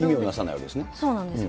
そうなんです。